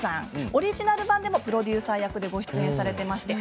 オリジナル版でもプロデューサー役でご出演されていました。